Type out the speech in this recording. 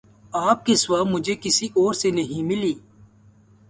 آپ کے سوا مجھے کسی اور سے نہیں ملی